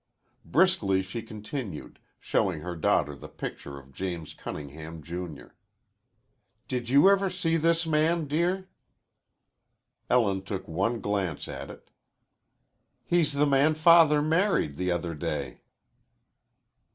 Briskly she continued, showing her daughter the picture of James Cunningham, Junior. "Did you ever see this man, dear?" Ellen took one glance at it. "He's the man Father married the other day."